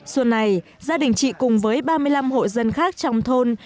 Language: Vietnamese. xuân này gia đình chị cùng với ba mươi năm hộ dân khác trong thôn